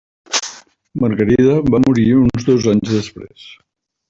Margarida va morir uns dos anys després.